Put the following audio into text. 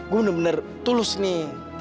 gue bener bener tulus nih